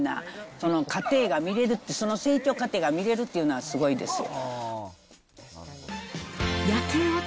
その過程が見れるって、その成長過程が見れるっていうのがすごいですよ。